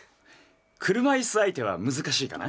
「車いす相手は難しいかな？」。